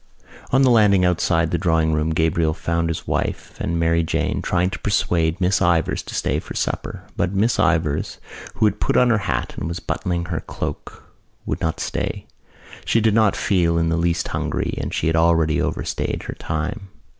On the landing outside the drawing room Gabriel found his wife and Mary Jane trying to persuade Miss Ivors to stay for supper. But Miss Ivors, who had put on her hat and was buttoning her cloak, would not stay. She did not feel in the least hungry and she had already overstayed her time.